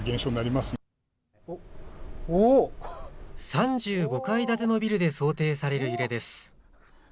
３５階建てのビルで想定される揺れです。